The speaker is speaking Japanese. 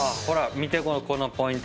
見てこのポイント。